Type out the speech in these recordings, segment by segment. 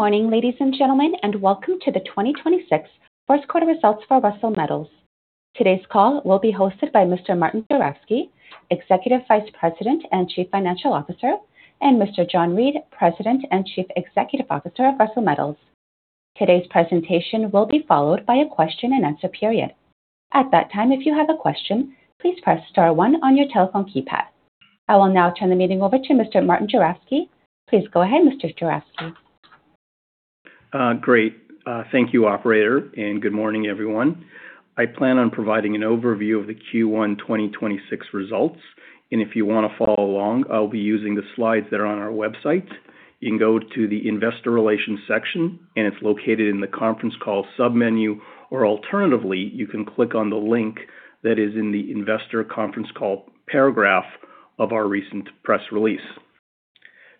Good morning, ladies and gentlemen, and welcome to the 2026 first quarter results for Russel Metals. Today's call will be hosted by Mr. Martin Juravsky, Executive Vice President and Chief Financial Officer, and Mr. John Reid, President and Chief Executive Officer of Russel Metals. Today's presentation will be followed by a question-and-answer period. At that time, if you have a question, please press star one on your telephone keypad. I will now turn the meeting over to Mr. Martin Juravsky. Please go ahead, Mr. Juravsky. Great. Thank you, operator, good morning, everyone. I plan on providing an overview of the Q1 2026 results, and if you want to follow along, I'll be using the slides that are on our website. You can go to the Investor Relations section, and it's located in the Conference Call submenu, or alternatively, you can click on the link that is in the Investor Conference Call paragraph of our recent press release.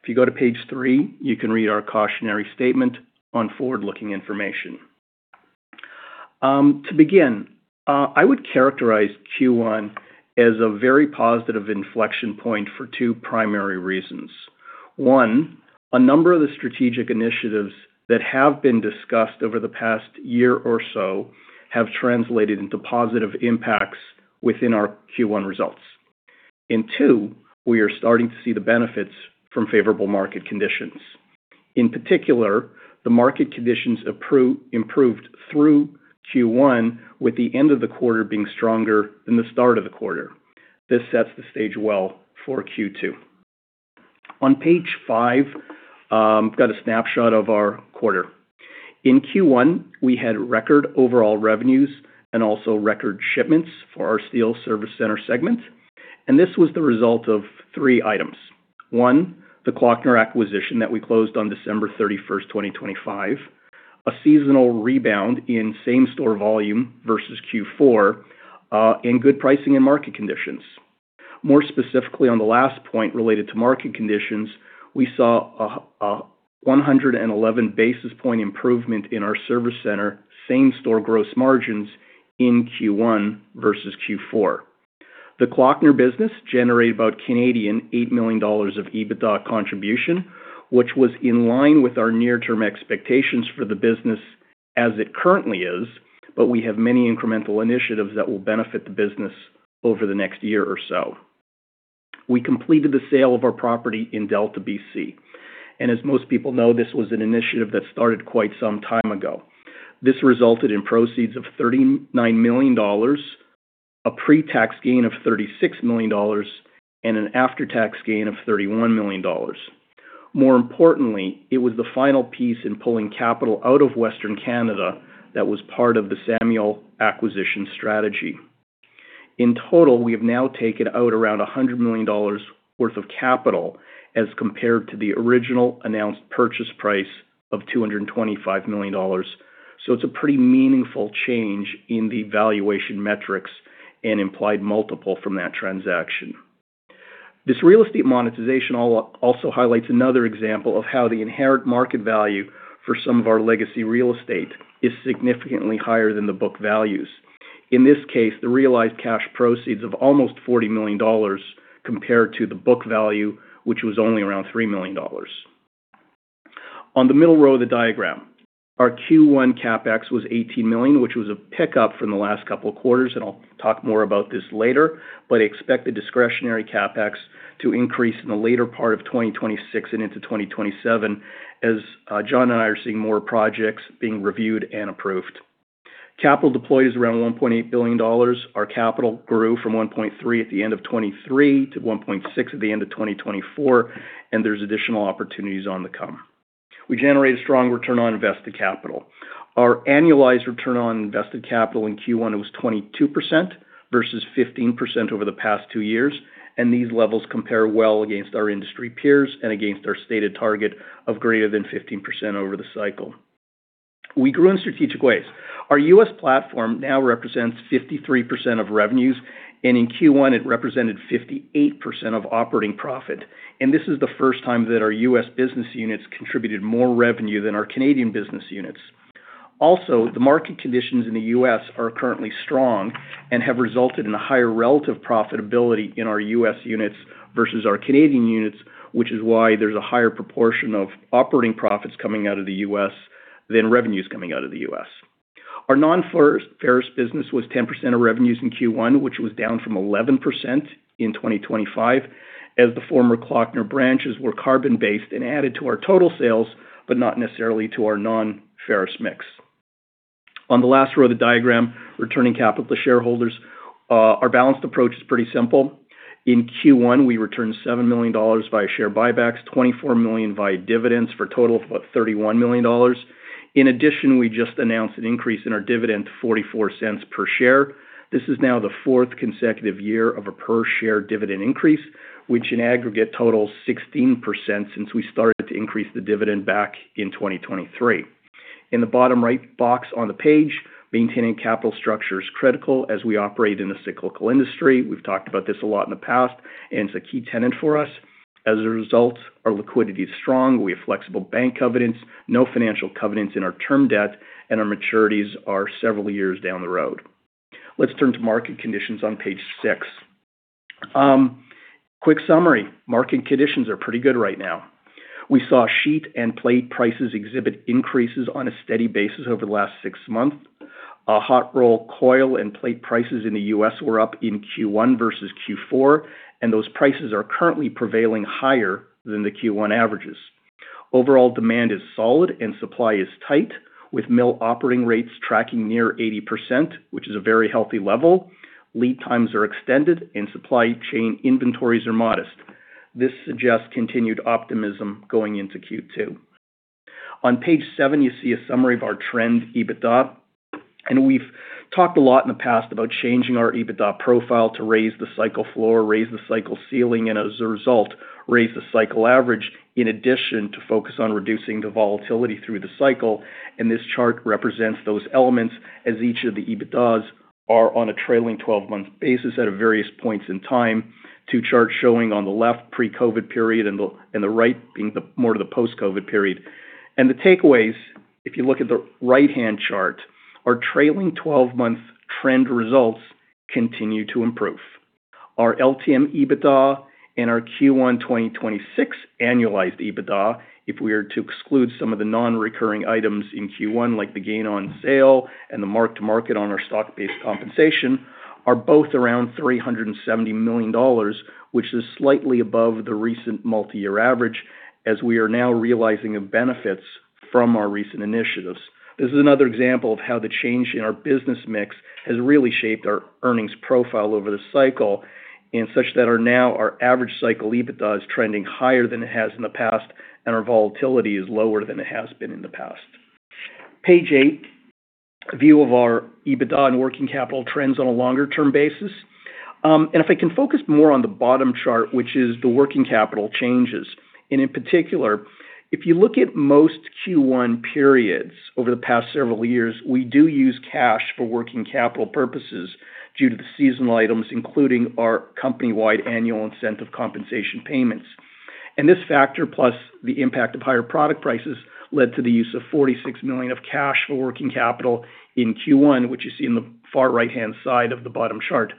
If you go to page three, you can read our cautionary statement on forward-looking information. To begin, I would characterize Q1 as a very positive inflection point for two primary reasons. One, a number of the strategic initiatives that have been discussed over the past year or so have translated into positive impacts within our Q1 results. Two, we are starting to see the benefits from favorable market conditions. In particular, the market conditions improved through Q1, with the end of the quarter being stronger than the start of the quarter. This sets the stage well for Q2. On page five, we've got a snapshot of our quarter. In Q1, we had record overall revenues and also record shipments for our steel service center segment, and this was the result of three items. One, the Kloeckner acquisition that we closed on December 31st, 2025, a seasonal rebound in same-store volume versus Q4, and good pricing and market conditions. More specifically, on the last point related to market conditions, we saw a 111-basis point improvement in our service center same-store gross margins in Q1 versus Q4. The Kloeckner business generated about 8 million Canadian dollars of EBITDA contribution, which was in line with our near-term expectations for the business as it currently is. We have many incremental initiatives that will benefit the business over the next year or so. We completed the sale of our property in Delta, B.C. As most people know, this was an initiative that started quite some time ago. This resulted in proceeds of 39 million dollars, a pre-tax gain of 36 million dollars, and an after-tax gain of 31 million dollars. More importantly, it was the final piece in pulling capital out of Western Canada that was part of the Samuel acquisition strategy. In total, we have now taken out around 100 million dollars worth of capital as compared to the original announced purchase price of 225 million dollars. It's a pretty meaningful change in the valuation metrics and implied multiple from that transaction. This real estate monetization also highlights another example of how the inherent market value for some of our legacy real estate is significantly higher than the book values. In this case, the realized cash proceeds of almost 40 million dollars compared to the book value, which was only around 3 million dollars. On the middle row of the diagram, our Q1 CapEx was 18 million, which was a pickup from the last couple of quarters, and I'll talk more about this later. expect the discretionary CapEx to increase in the later part of 2026 and into 2027 as John and I are seeing more projects being reviewed and approved. Capital deployed is around 1.8 billion dollars. Our capital grew from 1.3 billion at the end of 2023 to 1.6 billion at the end of 2024, and there's additional opportunities on the come. We generated strong return on invested capital. Our annualized return on invested capital in Q1 was 22% versus 15% over the past two years, and these levels compare well against our industry peers and against our stated target of greater than 15% over the cycle. We grew in strategic ways. Our U.S. platform now represents 53% of revenues, and in Q1, it represented 58% of operating profit. This is the first time that our U.S. business units contributed more revenue than our Canadian business units. Also, the market conditions in the U.S. are currently strong and have resulted in a higher relative profitability in our U.S. units versus our Canadian units, which is why there's a higher proportion of operating profits coming out of the U.S. than revenues coming out of the U.S. Our non-ferrous business was 10% of revenues in Q1, which was down from 11% in 2025, as the former Kloeckner branches were carbon-based and added to our total sales, but not necessarily to our non-ferrous mix. On the last row of the diagram, returning capital to shareholders, our balanced approach is pretty simple. In Q1, we returned 7 million dollars via share buybacks, 24 million via dividends for a total of about 31 million dollars. In addition, we just announced an increase in our dividend to 0.44 per share. This is now the fourth consecutive year of a per-share dividend increase, which in aggregate totals 16% since we started to increase the dividend back in 2023. In the bottom right box on the page, maintaining capital structure is critical as we operate in a cyclical industry. We've talked about this a lot in the past, and it's a key tenet for us. As a result, our liquidity is strong. We have flexible bank covenants, no financial covenants in our term debt, and our maturities are several years down the road. Let's turn to market conditions on page six. Quick summary. Market conditions are pretty good right now. We saw sheet and plate prices exhibit increases on a steady basis over the last six months. Hot-rolled coil and plate prices in the U.S. were up in Q1 versus Q4, and those prices are currently prevailing higher than the Q1 averages. Overall demand is solid and supply is tight, with mill operating rates tracking near 80%, which is a very healthy level. Lead times are extended and supply chain inventories are modest. This suggests continued optimism going into Q2. On page seven, you see a summary of our trend EBITDA. We've talked a lot in the past about changing our EBITDA profile to raise the cycle floor, raise the cycle ceiling, and as a result, raise the cycle average, in addition to focus on reducing the volatility through the cycle. This chart represents those elements as each of the EBITDAs are on a trailing 12-month basis at various points in time. Two charts showing on the left pre-COVID period and the right being the more to the post-COVID period. The takeaways, if you look at the right-hand chart, our trailing 12-month trend results continue to improve. Our LTM EBITDA and our Q1 2026 annualized EBITDA, if we are to exclude some of the non-recurring items in Q1, like the gain on sale and the mark-to-market on our stock-based compensation, are both around 370 million dollars, which is slightly above the recent multi-year average, as we are now realizing the benefits from our recent initiatives. This is another example of how the change in our business mix has really shaped our earnings profile over the cycle in such that our average cycle EBITDA is trending higher than it has in the past, and our volatility is lower than it has been in the past. Page eight, a view of our EBITDA and working capital trends on a longer-term basis. If I can focus more on the bottom chart, which is the working capital changes. In particular, if you look at most Q1 periods over the past several years, we do use cash for working capital purposes due to the seasonal items, including our company-wide annual incentive compensation payments. This factor, plus the impact of higher product prices, led to the use of 46 million of cash for working capital in Q1, which you see in the far right-hand side of the bottom chart.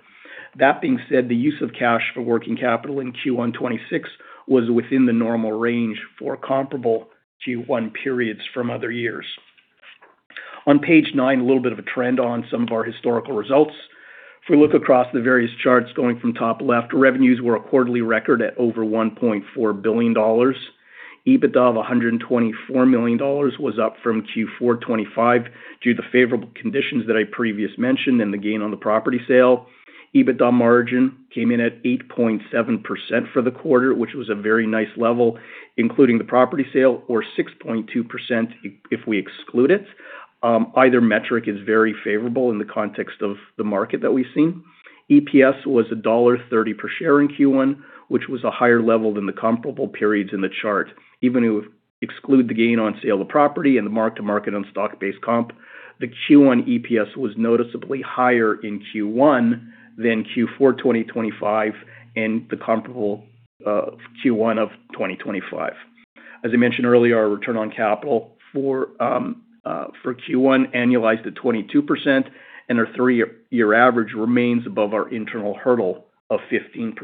That being said, the use of cash for working capital in Q1 2026 was within the normal range for comparable Q1 periods from other years. On page nine, a little bit of a trend on some of our historical results. If we look across the various charts going from top left, revenues were a quarterly record at over 1.4 billion dollars. EBITDA of 124 million dollars was up from Q4 2025 due to the favorable conditions that I previously mentioned and the gain on the property sale. EBITDA margin came in at 8.7% for the quarter, which was a very nice level, including the property sale, or 6.2% if we exclude it. Either metric is very favorable in the context of the market that we've seen. EPS was dollar 1.30 per share in Q1, which was a higher level than the comparable periods in the chart. Even if we exclude the gain on sale of property and the mark-to-market on stock-based comp, the Q1 EPS was noticeably higher in Q1 than Q4 2025 and the comparable Q1 of 2025. As I mentioned earlier, our return on capital for Q1 annualized at 22%, and our three-year average remains above our internal hurdle of 15%.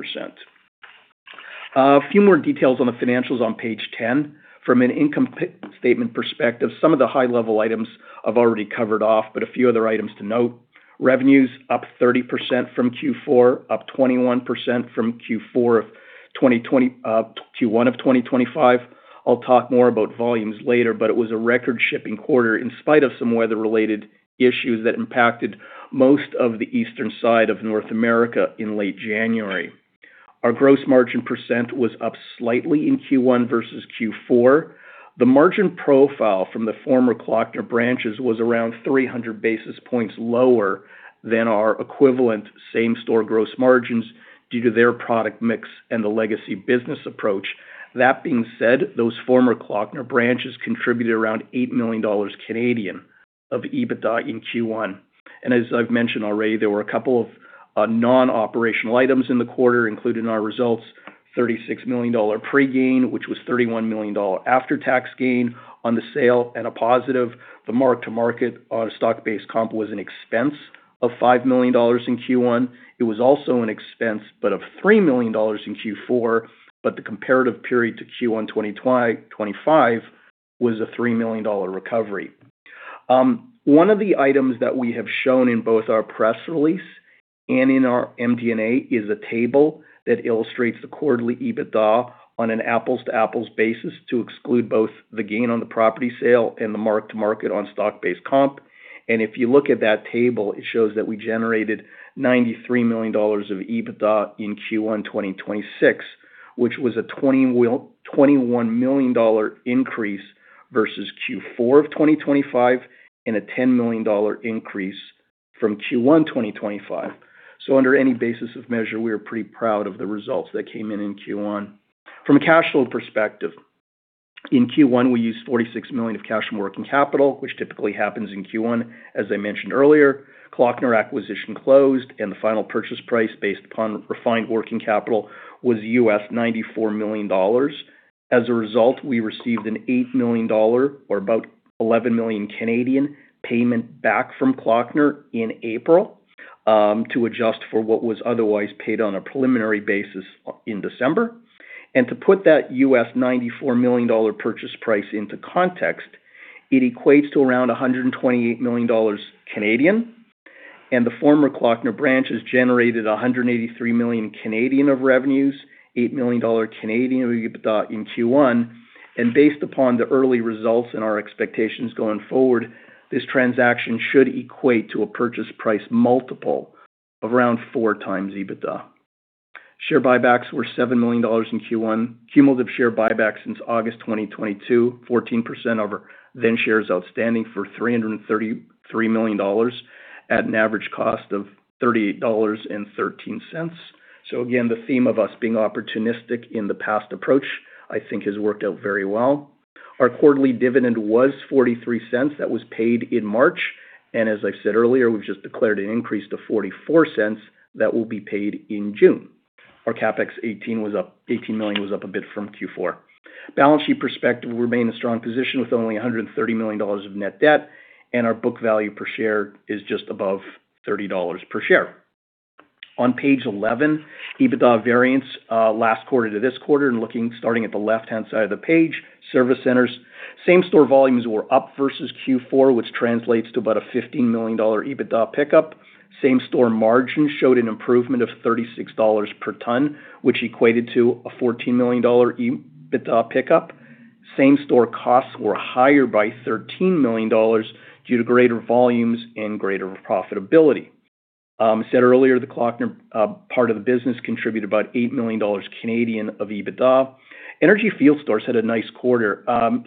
A few more details on the financials on page 10. From an income statement perspective, some of the high-level items I've already covered off, a few other items to note. Revenues up 30% from Q4, up 21% from Q1 of 2025. I'll talk more about volumes later, it was a record shipping quarter in spite of some weather-related issues that impacted most of the eastern side of North America in late January. Our gross margin percent was up slightly in Q1 versus Q4. The margin profile from the former Kloeckner branches was around 300 basis points lower than our equivalent same-store gross margins due to their product mix and the legacy business approach. That being said, those former Kloeckner branches contributed around 8 million Canadian dollars of EBITDA in Q1. As I've mentioned already, there were a couple of non-operational items in the quarter included in our results. 36 million dollar pre-gain, which was 31 million dollar after-tax gain on the sale. The mark-to-market on a stock-based comp was an expense of 5 million dollars in Q1. It was also an expense, but of 3 million dollars in Q4, but the comparative period to Q1 2025 was a 3 million dollar recovery. One of the items that we have shown in both our press release and in our MD&A is a table that illustrates the quarterly EBITDA on an apples-to-apples basis to exclude both the gain on the property sale and the mark-to-market on stock-based comp. If you look at that table, it shows that we generated 93 million dollars of EBITDA in Q1 2026, which was a 21 million dollar increase versus Q4 of 2025 and a 10 million dollar increase from Q1 2025. Under any basis of measure, we are pretty proud of the results that came in in Q1. From a cash flow perspective, in Q1, we used 46 million of cash from working capital, which typically happens in Q1. As I mentioned earlier, Kloeckner acquisition closed and the final purchase price based upon refined working capital was $94 million. As a result, we received a $8 million or about 11 million Canadian dollars payment back from Kloeckner in April, to adjust for what was otherwise paid on a preliminary basis in December. To put that $94 million purchase price into context, it equates to around 128 million Canadian dollars, and the former Kloeckner branch has generated 183 million Canadian dollars of revenues, 8 million Canadian dollars EBITDA in Q1. Based upon the early results and our expectations going forward, this transaction should equate to a purchase price multiple of around 4x EBITDA. Share buybacks were 7 million dollars in Q1. Cumulative share buybacks since August 2022, 14% of then shares outstanding for 333 million dollars at an average cost of 38.13 dollars. Again, the theme of us being opportunistic in the past approach, I think, has worked out very well. Our quarterly dividend was 0.43. That was paid in March, and as I said earlier, we've just declared an increase to 0.44 that will be paid in June. Our CapEx 18 million was up a bit from Q4. Balance sheet perspective, we remain in a strong position with only 130 million dollars of net debt, and our book value per share is just above 30 dollars per share. On page 11, EBITDA variance, last quarter to this quarter and looking starting at the left-hand side of the page, service centers. Same-store volumes were up versus Q4, which translates to about a 15 million dollar EBITDA pickup. Same-store margin showed an improvement of 36 dollars per ton, which equated to a 14 million dollar EBITDA pickup. Same-store costs were higher by 13 million dollars due to greater volumes and greater profitability. I said earlier, the Kloeckner part of the business contributed about 8 million Canadian dollars of EBITDA. Energy field stores had a nice quarter.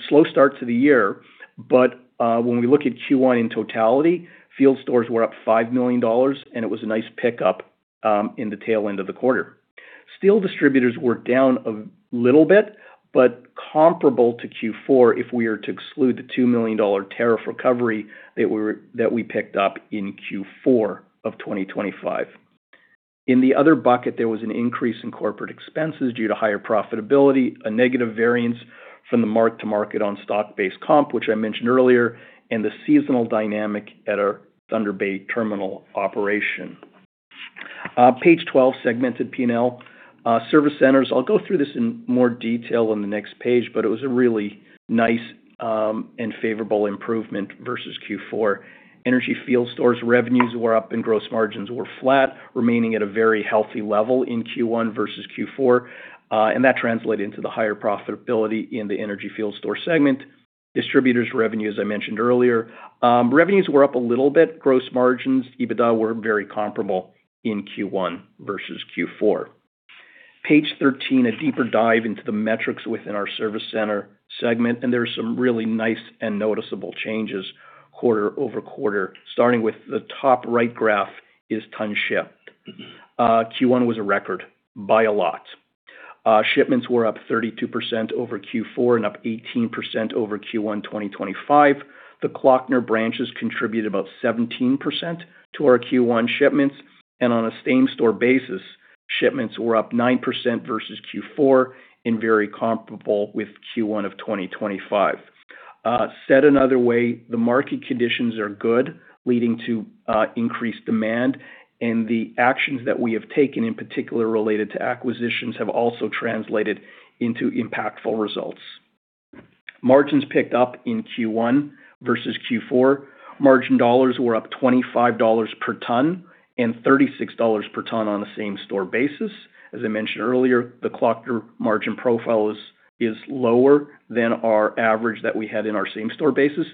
Slow start to the year, when we look at Q1 in totality, field stores were up 5 million dollars, and it was a nice pickup in the tail end of the quarter. Steel distributors were down a little bit, comparable to Q4 if we are to exclude the 2 million dollar tariff recovery that we picked up in Q4 of 2025. In the other bucket, there was an increase in corporate expenses due to higher profitability, a negative variance from the mark-to-market on stock-based comp, which I mentioned earlier, and the seasonal dynamic at our Thunder Bay terminal operation. Page 12, segmented P&L. Service centers, I'll go through this in more detail on the next page, but it was a really nice, and favorable improvement versus Q4. Energy field stores revenues were up and gross margins were flat, remaining at a very healthy level in Q1 versus Q4, and that translated into the higher profitability in the energy field store segment. Distributors revenue, as I mentioned earlier, revenues were up a little bit. Gross margins, EBITDA were very comparable in Q1 versus Q4. Page 13, a deeper dive into the metrics within our service center segment, there are some really nice and noticeable changes quarter-over-quarter, starting with the top right graph is tons shipped. Q1 was a record by a lot. Shipments were up 32% over Q4 and up 18% over Q1 2025. The Kloeckner branches contribute about 17% to our Q1 shipments. On a same-store basis, shipments were up 9% versus Q4 and very comparable with Q1 of 2025. Said another way, the market conditions are good, leading to increased demand. The actions that we have taken, in particular related to acquisitions, have also translated into impactful results. Margins picked up in Q1 versus Q4. Margin dollars were up 25 dollars per ton and 36 dollars per ton on a same-store basis. As I mentioned earlier, the Kloeckner margin profile is lower than our average that we had in our same-store basis,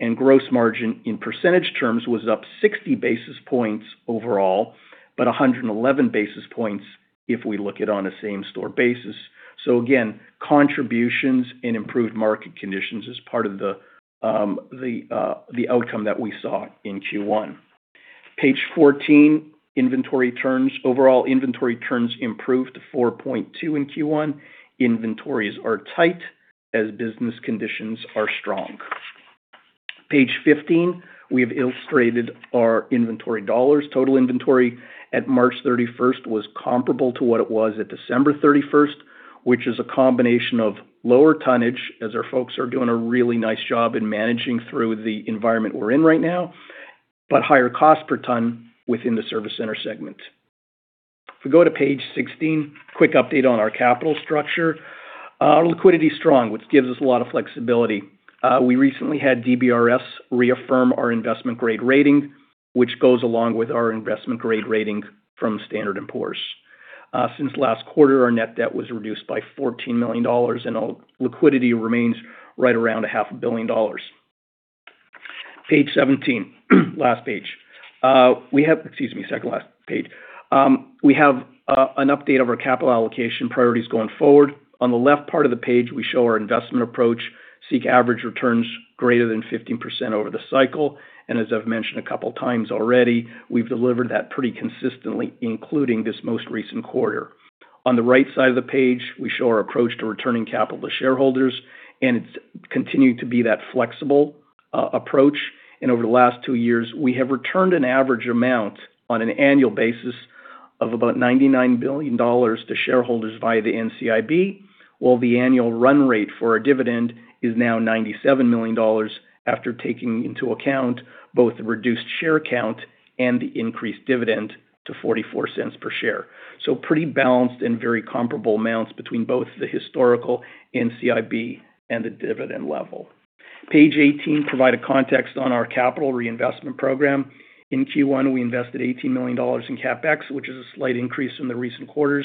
and gross margin in percentage terms was up 60 basis points overall, but 111 basis points if we look at on a same-store basis. Again, contributions and improved market conditions as part of the outcome that we saw in Q1. Page 14, inventory turns. Overall inventory turns improved to 4.2 in Q1. Inventories are tight as business conditions are strong. Page 15, we've illustrated our inventory dollars. Total inventory at March 31st was comparable to what it was at December 31st, which is a combination of lower tonnage, as our folks are doing a really nice job in managing through the environment we're in right now, but higher cost per ton within the service center segment. If we go to page 16, quick update on our capital structure. Our liquidity is strong, which gives us a lot of flexibility. We recently had DBRS reaffirm our investment grade rating, which goes along with our investment grade rating from Standard & Poor's. Since last quarter, our net debt was reduced by 14 million dollars, and our liquidity remains right around 0.5 billion dollars. Page 17, last page. Excuse me, second last page. We have an update of our capital allocation priorities going forward. On the left part of the page, we show our investment approach, seek average returns greater than 15% over the cycle, and as I've mentioned a couple times already, we've delivered that pretty consistently, including this most recent quarter. On the right side of the page, we show our approach to returning capital to shareholders, it's continued to be that flexible approach. Over the last two years, we have returned an average amount on an annual basis of about 99 million dollars to shareholders via the NCIB. While the annual run rate for a dividend is now 97 million dollars after taking into account both the reduced share count and the increased dividend to 0.44 per share. Pretty balanced and very comparable amounts between both the historical NCIB and the dividend level. Page 18 provide a context on our capital reinvestment program. In Q1, we invested 18 million dollars in CapEx, which is a slight increase from the recent quarters,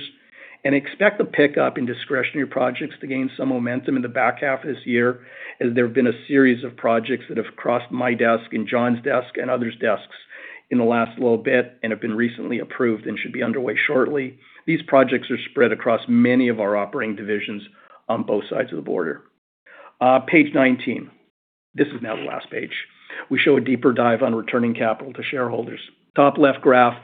and expect the pickup in discretionary projects to gain some momentum in the back half of this year, as there have been a series of projects that have crossed my desk and John's desk and others' desks in the last little bit and have been recently approved and should be underway shortly. These projects are spread across many of our operating divisions on both sides of the border. Page 19. This is now the last page. We show a deeper dive on returning capital to shareholders. Top left graph,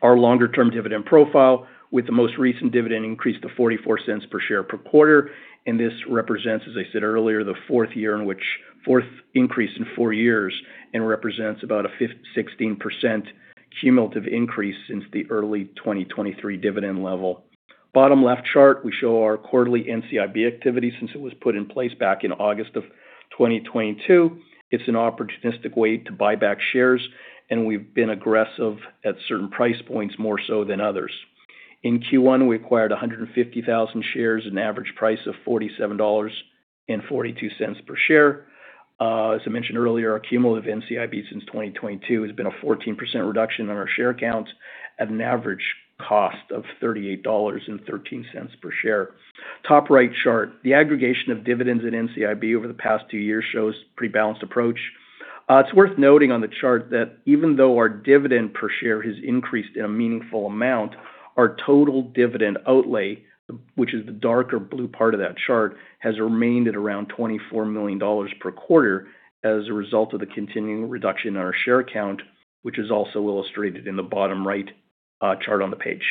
our longer-term dividend profile, with the most recent dividend increase to 0.44 per share per quarter. This represents, as I said earlier, the fourth year in which, fourth increase in four years and represents about a 16% cumulative increase since the early 2023 dividend level. Bottom left chart, we show our quarterly NCIB activity since it was put in place back in August of 2022. It's an opportunistic way to buy back shares, and we've been aggressive at certain price points, more so than others. In Q1, we acquired 150,000 shares at an average price of 47.42 dollars per share. As I mentioned earlier, our cumulative NCIB since 2022 has been a 14% reduction on our share count at an average cost of 38.13 dollars per share. Top right chart. The aggregation of dividends at NCIB over the past two years shows pretty balanced approach. It's worth noting on the chart that even though our dividend per share has increased in a meaningful amount, our total dividend outlay, which is the darker blue part of that chart, has remained at around 24 million dollars per quarter as a result of the continuing reduction in our share count, which is also illustrated in the bottom right chart on the page.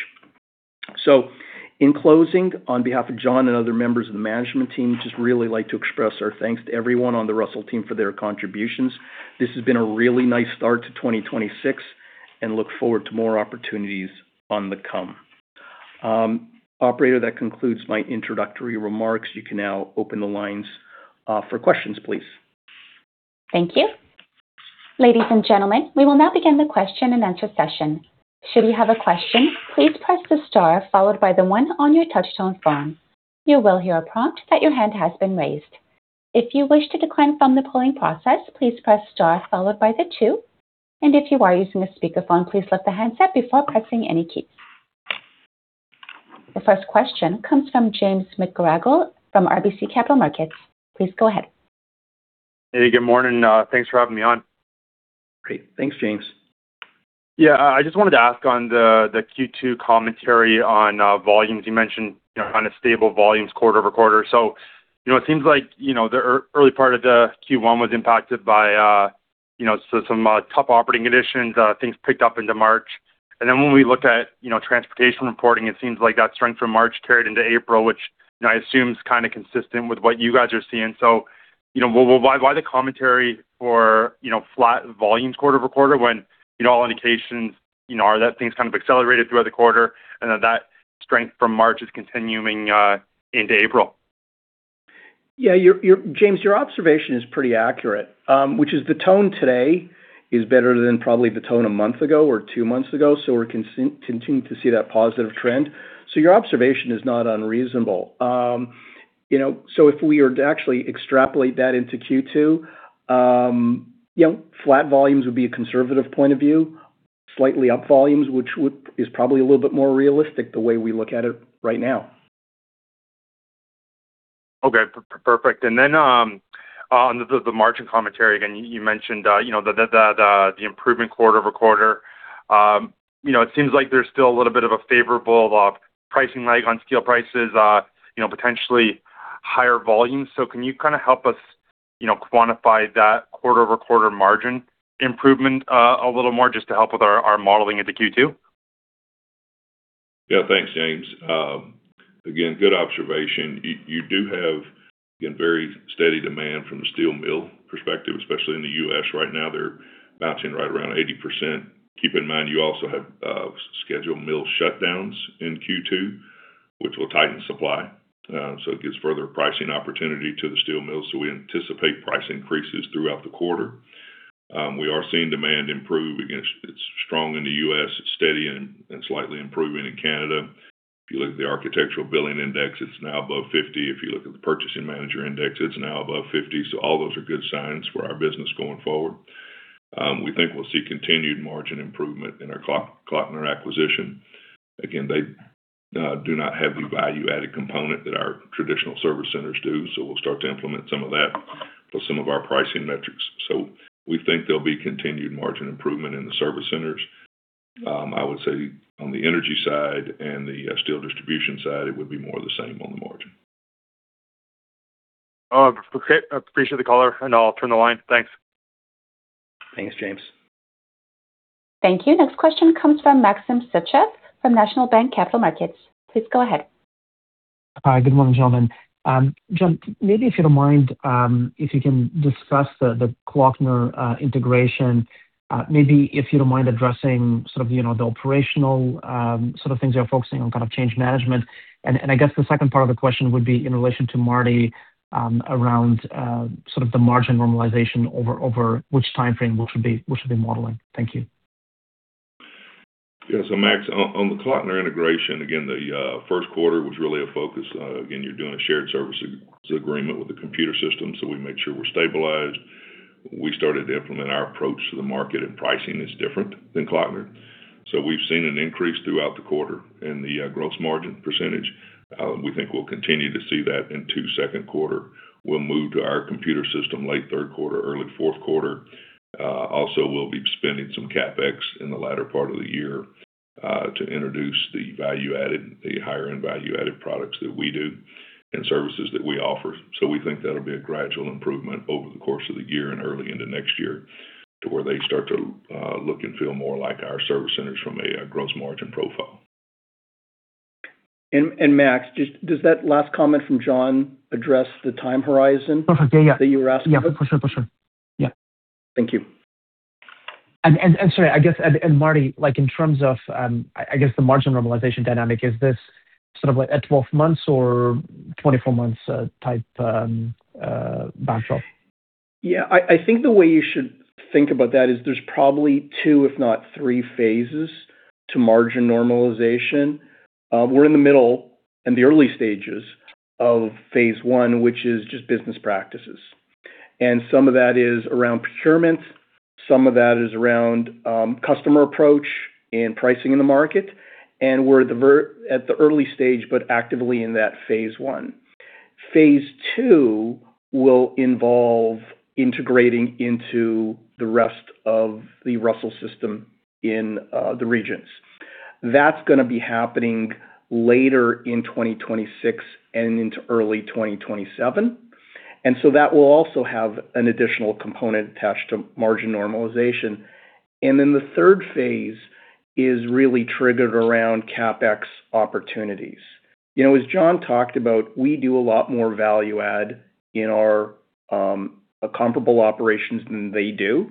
In closing, on behalf of John and other members of the management team, just really like to express our thanks to everyone on the Russel team for their contributions. This has been a really nice start to 2026 and look forward to more opportunities on the come. Operator, that concludes my introductory remarks. You can now open the lines for questions, please. Thank you. The first question comes from James McGarragle from RBC Capital Markets. Please go ahead. Hey, good morning. Thanks for having me on. Great. Thanks, James. Yeah. I just wanted to ask on the Q2 commentary on volumes. You mentioned, you know, kind of stable volumes quarter-over-quarter. You know, it seems like, you know, the early part of the Q1 was impacted by, you know, some tough operating conditions, things picked up into March. When we looked at, you know, transportation reporting, it seems like that strength from March carried into April, which, I assume is kind of consistent with what you guys are seeing. You know, why the commentary for, you know, flat volumes quarter-over-quarter when, you know, all indications, you know, are that things kind of accelerated throughout the quarter and that strength from March is continuing into April? Yeah, James, your observation is pretty accurate, which is the tone today is better than probably the tone a month ago or two months ago. We're continuing to see that positive trend. Your observation is not unreasonable. You know, if we were to actually extrapolate that into Q2, flat volumes would be a conservative point of view. Slightly up volumes, which is probably a little bit more realistic the way we look at it right now. Okay, perfect. Then, on the margin commentary, again, you mentioned, you know, the improvement quarter-over-quarter. You know, it seems like there's still a little bit of a favorable pricing lag on steel prices, potentially higher volumes. Can you kinda help us, you know, quantify that quarter-over-quarter margin improvement a little more just to help with our modeling into Q2? Yeah. Thanks, James. Again, good observation. You do have, again, very steady demand from the steel mill perspective, especially in the U.S. right now. They're bouncing right around 80%. Keep in mind, you also have scheduled mill shutdowns in Q2, which will tighten supply. It gives further pricing opportunity to the steel mills, so we anticipate price increases throughout the quarter. We are seeing demand improve. Again, it's strong in the U.S. It's steady and slightly improving in Canada. If you look at the Architecture Billings Index, it's now above 50. If you look at the Purchasing Managers' Index, it's now above 50. All those are good signs for our business going forward. We think we'll see continued margin improvement in our Kloeckner acquisition. Again, they do not have the value-added component that our traditional service centers do, so we'll start to implement some of that for some of our pricing metrics. We think there'll be continued margin improvement in the service centers. I would say on the energy side and the steel distribution side, it would be more the same on the margin. Oh, great. Appreciate the color, and I'll turn the line. Thanks. Thanks, James. Thank you. Next question comes from Maxim Sytchev from National Bank Financial. Please go ahead. Hi, good morning, gentlemen. John, maybe if you don't mind, if you can discuss the Kloeckner integration, maybe if you don't mind addressing sort of, you know, the operational sort of things you're focusing on, kind of change management. I guess the second part of the question would be in relation to Marty, around sort of the margin normalization over which time frame we should be modeling. Thank you. Max, on the Kloeckner integration, again, the first quarter was really a focus. Again, you're doing a shared service agreement with the computer system, so we made sure we're stabilized. We started to implement our approach to the market, pricing is different than Kloeckner. We've seen an increase throughout the quarter in the gross margin percentage. We think we'll continue to see that into second quarter. We'll move to our computer system late third quarter, early fourth quarter. Also we'll be spending some CapEx in the latter part of the year, to introduce the value-added, the higher-end value-added products that we do and services that we offer. We think that'll be a gradual improvement over the course of the year and early into next year to where they start to look and feel more like our service centers from a gross margin profile. Max, does that last comment from John address the time horizon- Perfect. Yeah, yeah. ...that you were asking? Yeah. For sure. For sure. Yeah. Thank you. Marty, like in terms of the margin normalization dynamic, is this sort of like a 12 months or 24 months type bounce off? Yeah. I think the way you should think about that is there's probably two, if not three phases to margin normalization. We're in the middle and the early stages of phase I, which is just business practices. Some of that is around procurement, some of that is around customer approach and pricing in the market, and we're at the early stage, but actively in that phase I. Phase II will involve integrating into the rest of the Russel system in the regions. That's going to be happening later in 2026 and into early 2027. That will also have an additional component attached to margin normalization. The third phase is really triggered around CapEx opportunities. You know, as John talked about, we do a lot more value add in our comparable operations than they do,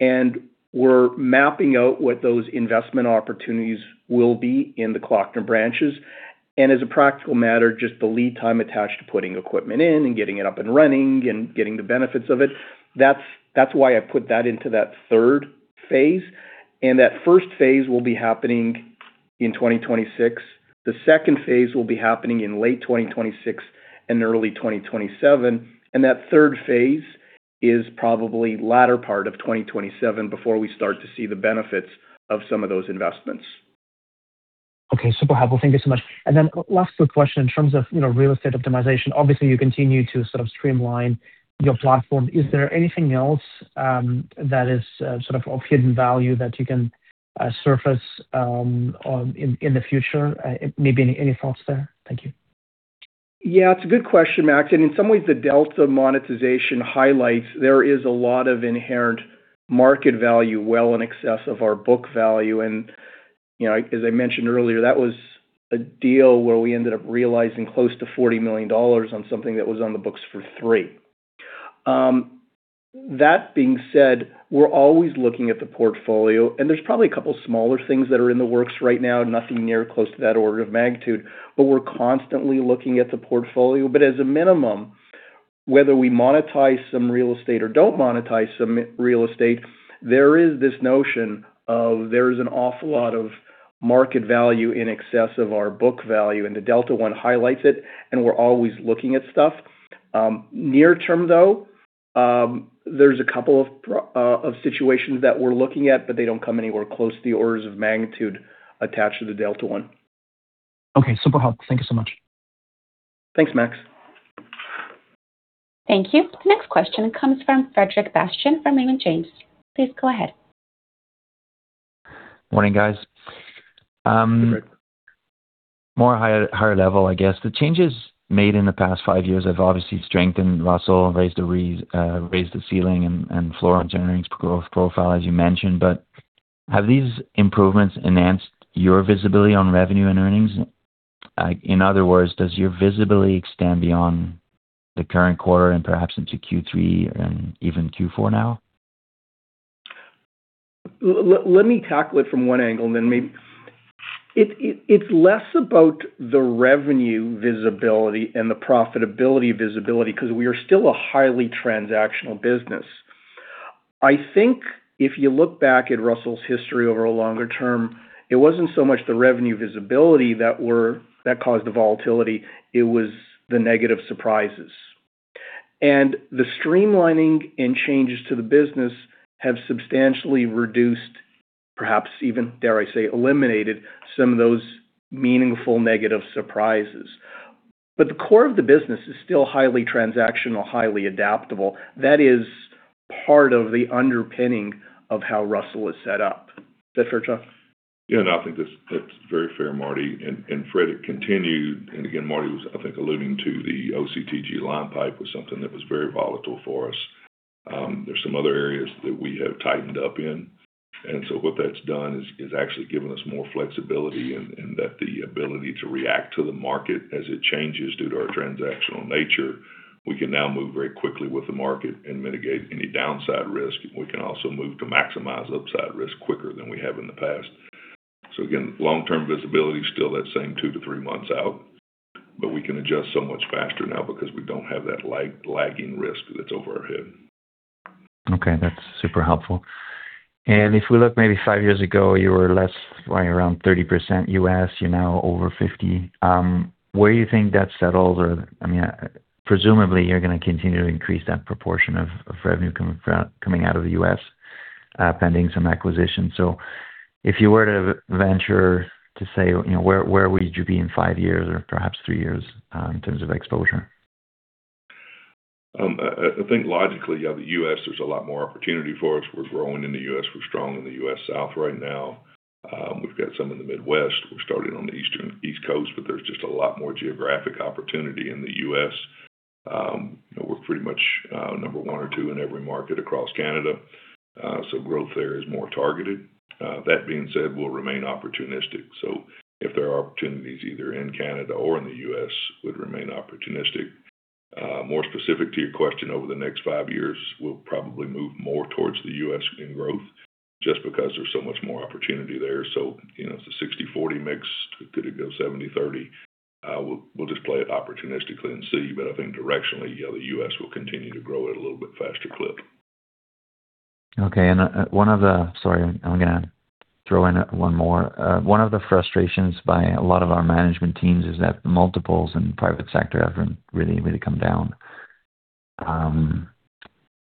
and we're mapping out what those investment opportunities will be in the Kloeckner branches. As a practical matter, just the lead time attached to putting equipment in and getting it up and running and getting the benefits of it, that's why I put that into that third phase. That first phase will be happening in 2026. The second phase will be happening in late 2026 and early 2027. That third phase is probably latter part of 2027 before we start to see the benefits of some of those investments. Okay. Super helpful. Thank you so much. Last quick question, in terms of, you know, real estate optimization, obviously, you continue to sort of streamline your platform. Is there anything else that is sort of hidden value that you can surface in the future? Maybe any thoughts there? Thank you. Yeah, it's a good question, Max. In some ways, the Delta monetization highlights there is a lot of inherent market value well in excess of our book value. You know, as I mentioned earlier, that was a deal where we ended up realizing close to 40 million dollars on something that was on the books for 3 million. That being said, we're always looking at the portfolio, and there's probably a couple smaller things that are in the works right now. Nothing near close to that order of magnitude, but we're constantly looking at the portfolio. As a minimum, whether we monetize some real estate or don't monetize some real estate, there is this notion of there is an awful lot of market value in excess of our book value. The Delta one highlights it, and we're always looking at stuff. Near term, though, there's a couple of situations that we're looking at, but they don't come anywhere close to the orders of magnitude attached to the Delta one. Okay. Super helpful. Thank you so much. Thanks, Max. Thank you. The next question comes from Frederic Bastien from Raymond James. Please go ahead. Morning, guys. Frederic. More higher level, I guess. The changes made in the past five years have obviously strengthened Russel and raised the ceiling and floor on earnings growth profile, as you mentioned. Have these improvements enhanced your visibility on revenue and earnings? In other words, does your visibility extend beyond the current quarter and perhaps into Q3 and even Q4 now? Let me tackle it from one angle and then maybe it's less about the revenue visibility and the profitability visibility because we are still a highly transactional business. I think if you look back at Russel's history over a longer term, it wasn't so much the revenue visibility that caused the volatility, it was the negative surprises. The streamlining and changes to the business have substantially reduced, perhaps even, dare I say, eliminated some of those meaningful negative surprises. The core of the business is still highly transactional, highly adaptable. That is part of the underpinning of how Russel is set up. Is that fair, John? Yeah. No, I think that's very fair, Marty. Frederic continued, and again, Marty was, I think, alluding to the OCTG line pipe was something that was very volatile for us. There's some other areas that we have tightened up in. What that's done is actually given us more flexibility in that the ability to react to the market as it changes due to our transactional nature. We can now move very quickly with the market and mitigate any downside risk. We can also move to maximize upside risk quicker than we have in the past. Again, long-term visibility is still that same two to three months out, but we can adjust so much faster now because we don't have that lagging risk that's over our head. Okay. That's super helpful. If we look maybe five years ago, you were less, probably around 30% U.S. You're now over 50%. Where do you think that settles? I mean, presumably, you're gonna continue to increase that proportion of revenue coming out of the U.S., pending some acquisition. If you were to venture to say, you know, where would you be in five years or perhaps three years in terms of exposure? I think logically, yeah, the U.S., there's a lot more opportunity for us. We're growing in the U.S. We're strong in the U.S. South right now. We've got some in the Midwest. We're starting on the East Coast, but there's just a lot more geographic opportunity in the U.S. We're pretty much number one or two in every market across Canada. Growth there is more targeted. That being said, we'll remain opportunistic. If there are opportunities either in Canada or in the U.S., we'd remain opportunistic. More specific to your question, over the next five years, we'll probably move more towards the U.S. in growth just because there's so much more opportunity there. You know, it's a 60/40 mix. Could it go 70/30? We'll just play it opportunistically and see. I think directionally, yeah, the U.S. will continue to grow at a little bit faster clip. Okay. Sorry, I'm gonna throw in one more. One of the frustrations by a lot of our management teams is that multiples in the private sector have been really come down.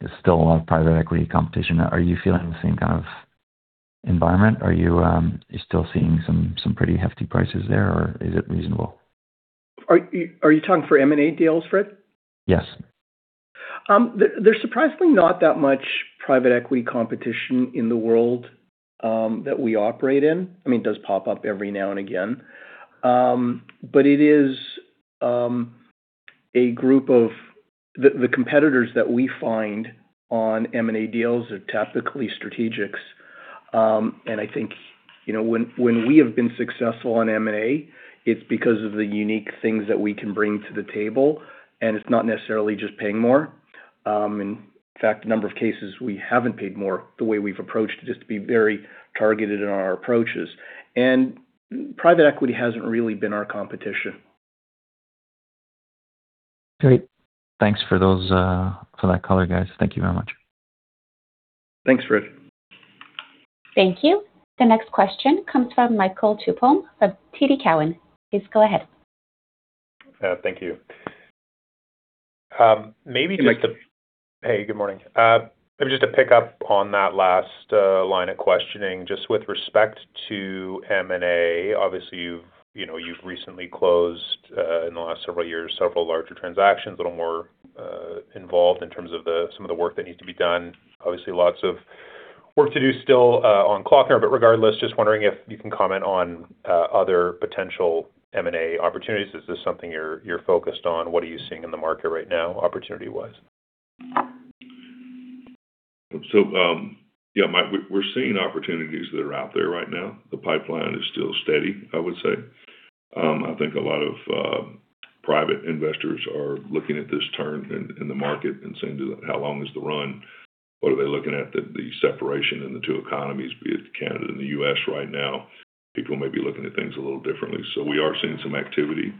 There's still a lot of private equity competition. Are you feeling the same kind of environment? Are you still seeing some pretty hefty prices there, or is it reasonable? Are you talking for M&A deals, Fred? Yes. There's surprisingly not that much private equity competition in the world that we operate in. I mean, it does pop up every now and again. But it is the competitors that we find on M&A deals are typically strategics. I think, you know, when we have been successful on M&A, it's because of the unique things that we can bring to the table, and it's not necessarily just paying more. In fact, a number of cases, we haven't paid more the way we've approached it, just to be very targeted in our approaches. Private equity hasn't really been our competition. Great. Thanks for those, for that color, guys. Thank you very much. Thanks, Fred. Thank you. The next question comes from Michael Tupholme of TD Cowen. Please go ahead. Thank you. Hey, Mike. Hey, good morning. Maybe just to pick up on that last line of questioning, just with respect to M&A. Obviously, you've, you know, you've recently closed in the last several years, several larger transactions that are more involved in terms of some of the work that needs to be done. Obviously, lots of work to do still on Kloeckner. Regardless, just wondering if you can comment on other potential M&A opportunities. Is this something you're focused on? What are you seeing in the market right now opportunity-wise? Yeah, Mike, we're seeing opportunities that are out there right now. The pipeline is still steady, I would say. I think a lot of private investors are looking at this turn in the market and saying, "How long is the run?" What are they looking at? The separation in the two economies, be it Canada and the U.S. right now. People may be looking at things a little differently. We are seeing some activity.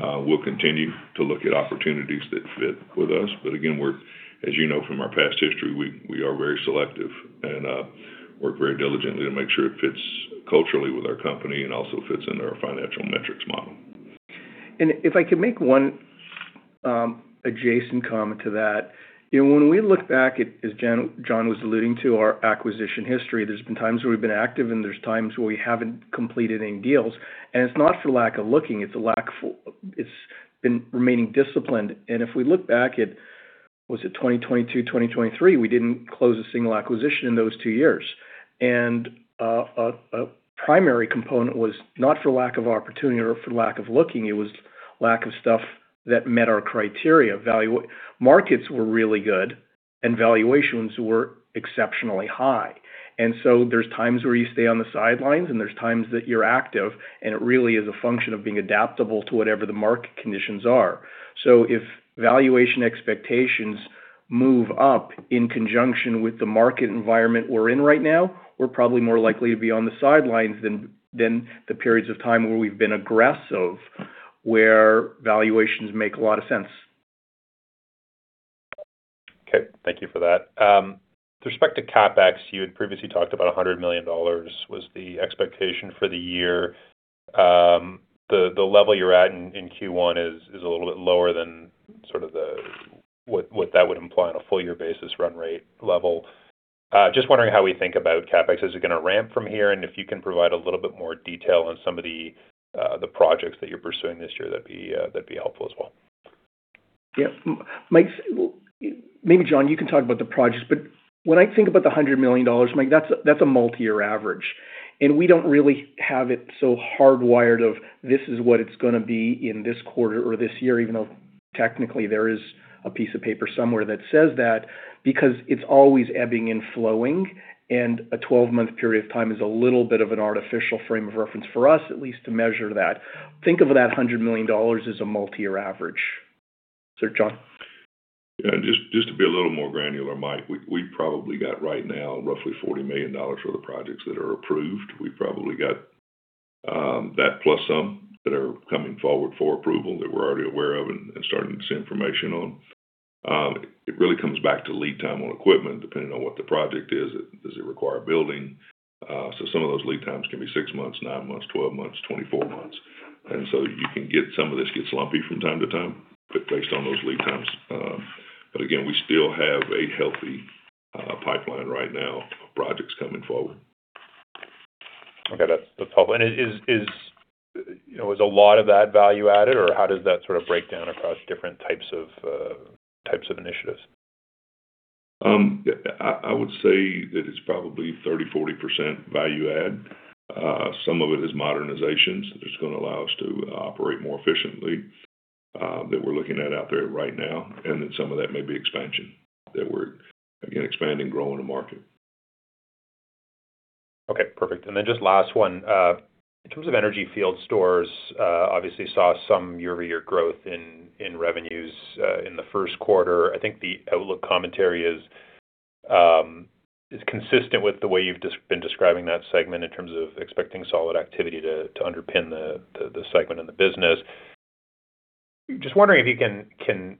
We'll continue to look at opportunities that fit with us. Again, as you know from our past history, we are very selective and work very diligently to make sure it fits culturally with our company and also fits into our financial metrics model. If I could make one adjacent comment to that. You know, when we look back at, as John was alluding to, our acquisition history, there's been times where we've been active, and there's times where we haven't completed any deals. It's not for lack of looking, it's been remaining disciplined. If we look back at, was it 2022, 2023, we didn't close a single acquisition in those two years. A primary component was not for lack of opportunity or for lack of looking, it was lack of stuff that met our criteria. Markets were really good and valuations were exceptionally high. There's times where you stay on the sidelines and there's times that you're active, and it really is a function of being adaptable to whatever the market conditions are. If valuation expectations move up in conjunction with the market environment we're in right now, we're probably more likely to be on the sidelines than the periods of time where we've been aggressive, where valuations make a lot of sense. Okay. Thank you for that. With respect to CapEx, you had previously talked about 100 million dollars was the expectation for the year. The level you're at in Q1 is a little bit lower than what that would imply on a full year basis run rate level. Just wondering how we think about CapEx. Is it gonna ramp from here? If you can provide a little bit more detail on some of the projects that you're pursuing this year, that'd be that'd be helpful as well. Yeah. Maybe, John, you can talk about the projects, but when I think about the 100 million dollars, Mike, that's a multi-year average. We don't really have it so hardwired of this is what it's going to be in this quarter or this year, even though technically there is a piece of paper somewhere that says that, because it's always ebbing and flowing, and a 12-month period of time is a little bit of an artificial frame of reference for us at least to measure that. Think of that 100 million dollars as a multi-year average. Sir John? Yeah, just to be a little more granular, Mike, we probably got right now roughly 40 million dollars for the projects that are approved. We probably got that plus some that are coming forward for approval that we're already aware of and starting to see information on. It really comes back to lead time on equipment, depending on what the project is. Does it require a building? Some of those lead times can be six months, nine months, 12 months, 24 months. You can get some of this gets lumpy from time to time based on those lead times. Again, we still have a healthy pipeline right now of projects coming forward. Okay. That's helpful. Is, you know, is a lot of that value-added or how does that sort of break down across different types of initiatives? I would say that it's probably 30%, 40% value add. Some of it is modernizations that's gonna allow us to operate more efficiently, that we're looking at out there right now. Some of that may be expansion, that we're, again, expanding, growing the market. Okay. Perfect. Just last one. In terms of energy field stores, obviously saw some year-over-year growth in revenues in the first quarter. I think the outlook commentary is consistent with the way you've been describing that segment in terms of expecting solid activity to underpin the segment in the business. Just wondering if you can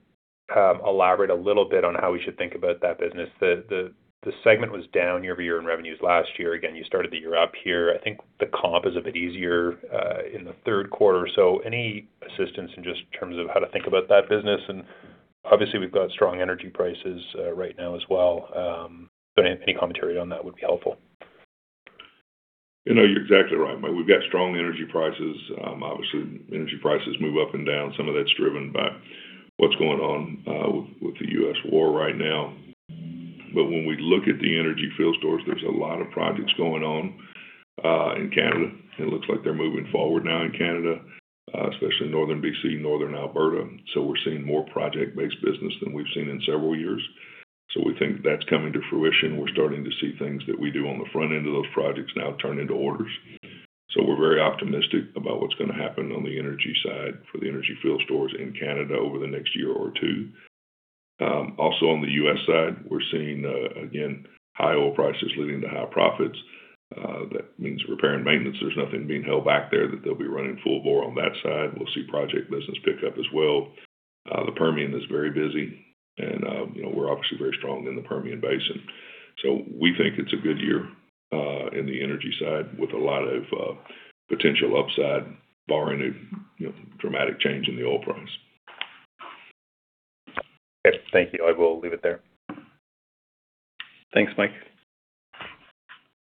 elaborate a little bit on how we should think about that business. The segment was down year-over-year in revenues last year. You started the year up here. I think the comp is a bit easier in the third quarter. Any assistance in just terms of how to think about that business? Obviously, we've got strong energy prices right now as well. Any commentary on that would be helpful. You know, you're exactly right, Mike. We've got strong energy prices. Obviously, energy prices move up and down. Some of that's driven by what's going on with the U.S. war right now. When we look at the energy field stores, there's a lot of projects going on in Canada. It looks like they're moving forward now in Canada, especially in Northern B.C., Northern Alberta. We're seeing more project-based business than we've seen in several years. We think that's coming to fruition. We're starting to see things that we do on the front end of those projects now turn into orders. We're very optimistic about what's gonna happen on the energy side for the energy field stores in Canada over the next year or two. Also on the U.S. side, we're seeing again, high oil prices leading to high profits. That means repair and maintenance, there's nothing being held back there that they'll be running full bore on that side. We'll see project business pick up as well. The Permian is very busy and, you know, we're obviously very strong in the Permian Basin. We think it's a good year in the energy side with a lot of potential upside barring a, you know, dramatic change in the oil price. Okay. Thank you. I will leave it there. Thanks, Mike.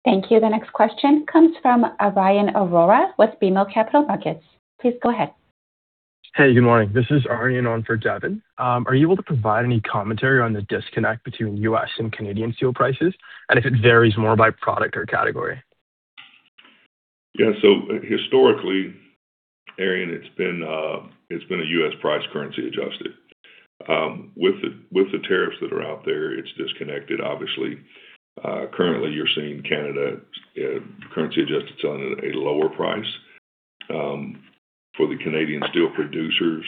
Thank you. The next question comes from Aryan Arora with BMO Capital Markets. Please go ahead. Hey, good morning. This is Aryan on for Devin Dodge. Are you able to provide any commentary on the disconnect between U.S. and Canadian steel prices, and if it varies more by product or category? Yeah. Historically, Aryan, it's been a U.S. price currency adjusted. With the tariffs that are out there, it's disconnected, obviously. Currently, you're seeing Canada currency adjusted selling at a lower price. For the Canadian steel producers,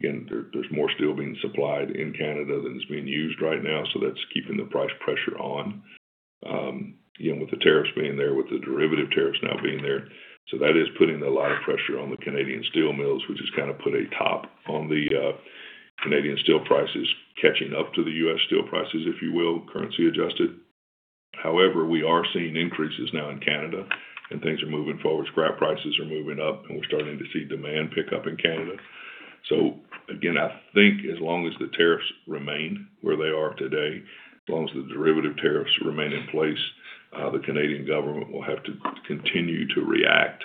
again, there's more steel being supplied in Canada than is being used right now, that's keeping the price pressure on. Again, with the tariffs being there, with the derivative tariffs now being there. That is putting a lot of pressure on the Canadian steel mills, which has kind of put a top on the Canadian steel prices catching up to the U.S. steel prices, if you will, currency adjusted. However, we are seeing increases now in Canada and things are moving forward. Scrap prices are moving up, we're starting to see demand pick up in Canada. Again, I think as long as the tariffs remain where they are today, as long as the derivative tariffs remain in place, the Canadian government will have to continue to react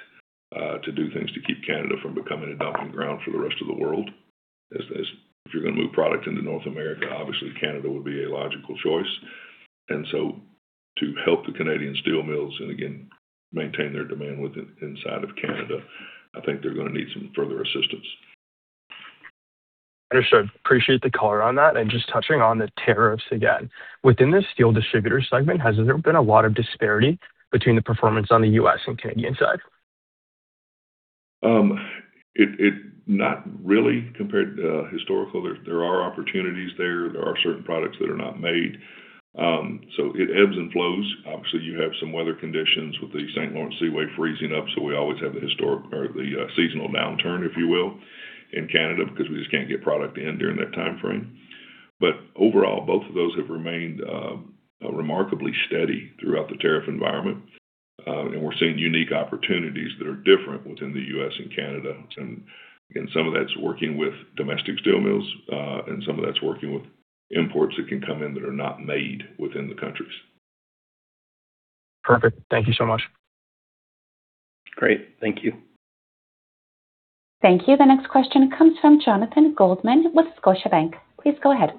to do things to keep Canada from becoming a dumping ground for the rest of the world. If you're gonna move product into North America, obviously Canada would be a logical choice. To help the Canadian steel mills and again, maintain their demand inside of Canada, I think they're gonna need some further assistance. Understood. Appreciate the color on that. Just touching on the tariffs again. Within the steel distributor segment, has there been a lot of disparity between the performance on the U.S. and Canadian side? Not really compared historical. There are opportunities there. There are certain products that are not made. It ebbs and flows. Obviously, you have some weather conditions with the St. Lawrence Seaway freezing up, so we always have the historic or the seasonal downturn, if you will, in Canada because we just can't get product in during that timeframe. Overall, both of those have remained remarkably steady throughout the tariff environment. We're seeing unique opportunities that are different within the U.S. and Canada. Again, some of that's working with domestic steel mills, and some of that's working with imports that can come in that are not made within the countries. Perfect. Thank you so much. Great. Thank you. Thank you. The next question comes from Jonathan Goldman with Scotiabank. Please go ahead.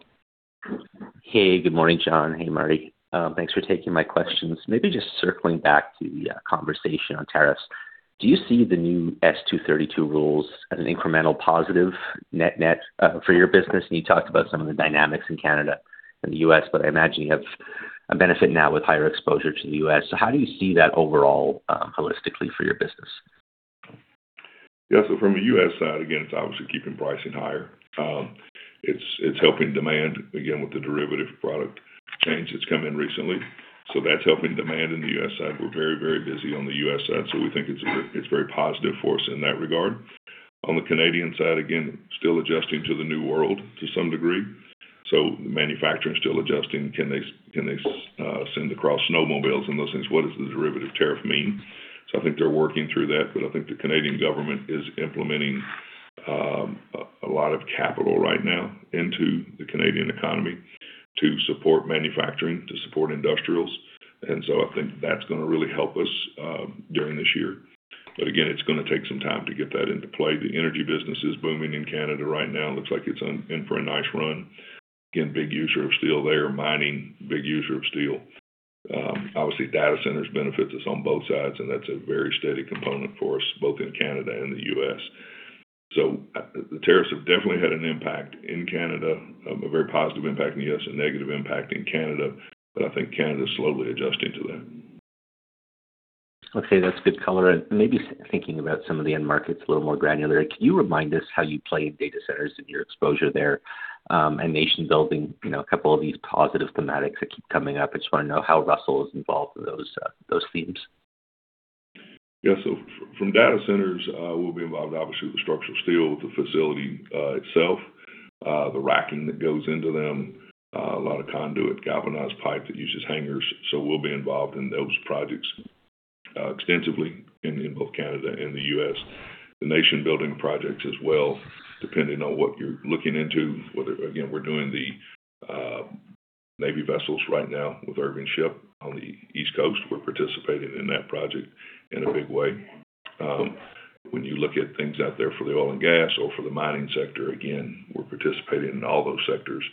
Hey, good morning, John. Hey, Marty. Thanks for taking my questions. Just circling back to the conversation on tariffs. Do you see the new Section 232 rules as an incremental positive net-net for your business? You talked about some of the dynamics in Canada and the U.S., I imagine you have a benefit now with higher exposure to the U.S. How do you see that overall holistically for your business? Yeah. From a U.S. side, again, it's obviously keeping pricing higher. It's helping demand again with the derivative product change that's come in recently, that's helping demand in the U.S. side. We're very busy on the U.S. side, we think it's very positive for us in that regard. On the Canadian side, again, still adjusting to the new world to some degree. The manufacturing is still adjusting. Can they send across snowmobiles and those things? What does the derivative tariff mean? I think they're working through that, I think the Canadian government is implementing a lot of capital right now into the Canadian economy to support manufacturing, to support industrials. I think that's gonna really help us during this year. Again, it's gonna take some time to get that into play. The energy business is booming in Canada right now. It looks like it's in for a nice run. Again, big user of steel there. Mining, big user of steel. Obviously, data centers benefits us on both sides, and that's a very steady component for us both in Canada and the U.S. The tariffs have definitely had an impact in Canada, a very positive impact in the U.S., a negative impact in Canada. I think Canada is slowly adjusting to that Okay, that's good color. Maybe thinking about some of the end markets a little more granular, can you remind us how you play data centers and your exposure there, and nation building, you know, a couple of these positive thematics that keep coming up? I just wanna know how Russel is involved in those themes Yeah. So, from data centers, we'll be involved obviously with the structural steel, with the facility itself, the racking that goes into them, a lot of conduit, galvanized pipe that uses hangers. We'll be involved in those projects extensively in both Canada and the U.S. The nation building projects as well, depending on what you're looking into, whether Again, we're doing the Navy vessels right now with Irving Shipbuilding on the East Coast. We're participating in that project in a big way. When you look at things out there for the oil and gas or for the mining sector, again, we're participating in all those sectors,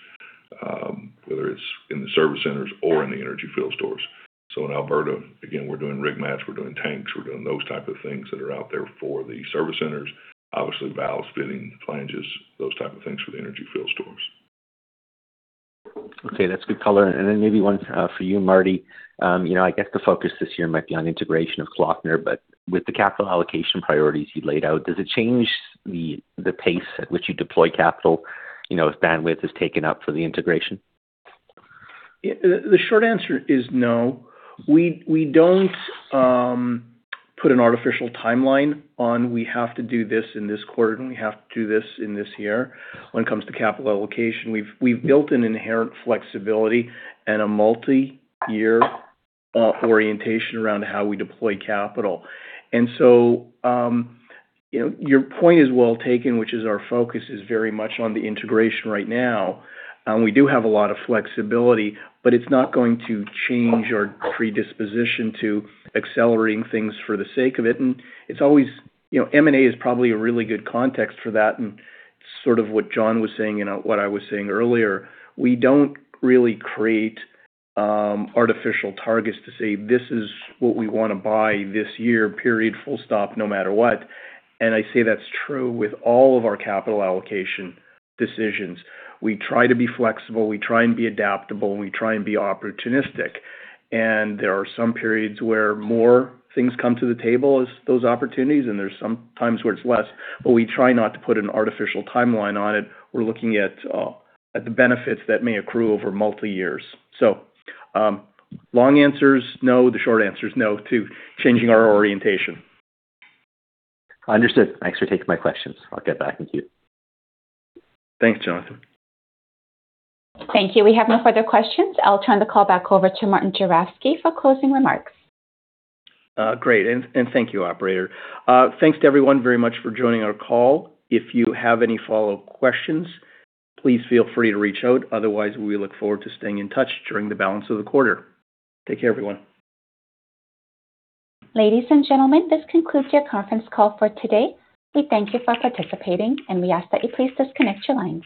whether it's in the service centers or in the energy field stores. In Alberta, again, we're doing rig mats, we're doing tanks, we're doing those type of things that are out there for the service centers. Obviously, valves, fitting, flanges, those type of things for the energy field stores. Okay, that's good color. Then, maybe one for you, Marty, you know, I guess the focus this year might be on integration of Kloeckner, but with the capital allocation priorities you laid out, does it change the pace at which you deploy capital, you know, if bandwidth is taken up for the integration? Yeah. The short answer is no. We don't put an artificial timeline on, we have to do this in this quarter, we have to do this in this year when it comes to capital allocation. We've built an inherent flexibility and a multi-year orientation around how we deploy capital. You know, your point is well taken, which is our focus is very much on the integration right now. We do have a lot of flexibility, it's not going to change our predisposition to accelerating things for the sake of it. It's always, you know, M&A is probably a really good context for that, sort of what John was saying, and what I was saying earlier. We don't really create artificial targets to say, this is what we want to buy this year, period, full stop, no matter what. I say that's true with all of our capital allocation decisions. We try to be flexible, we try and be adaptable, and we try and be opportunistic. There are some periods where more things come to the table as those opportunities, and there's some times where it's less, but we try not to put an artificial timeline on it. We're looking at the benefits that may accrue over multi-years. Long answer is no. The short answer is no to changing our orientation. Understood. Thanks for taking my questions. I'll get back with you. Thanks, Jonathan. Thank you. We have no further questions. I'll turn the call back over to Martin Juravsky for closing remarks. Great. Thank you, operator. Thanks to everyone very much for joining our call. If you have any follow-up questions, please feel free to reach out. Otherwise, we look forward to staying in touch during the balance of the quarter. Take care, everyone. Ladies and gentlemen, this concludes your conference call for today. We thank you for participating, and we ask that you please disconnect your lines.